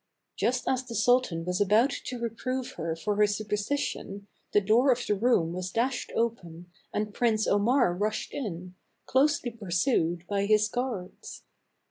Just as the sultan was about to reprove her for her superstition the door of the room was dashed open and Prince Omar rushed in, closely pursued by his guards.